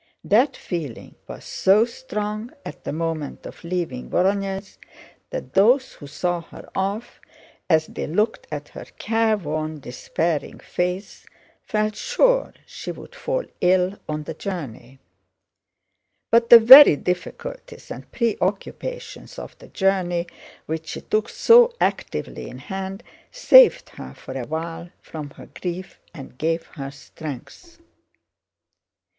That feeling was so strong at the moment of leaving Vorónezh that those who saw her off, as they looked at her careworn, despairing face, felt sure she would fall ill on the journey. But the very difficulties and preoccupations of the journey, which she took so actively in hand, saved her for a while from her grief and gave her strength.